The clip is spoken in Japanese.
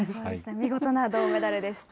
見事な銅メダルでした。